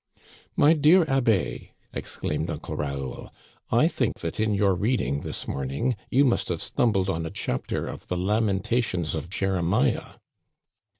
" My dear abbé," exclaimed Uncle Raoul, " I think that in your reading this morning you must have stumbled on a chapter of the lamentations of Jere miah."